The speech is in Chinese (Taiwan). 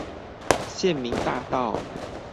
縣民大道